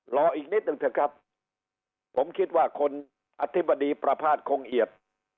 รออีกนิดหนึ่งเถอะครับผมคิดว่าคนอธิบดีประภาษณคงเอียด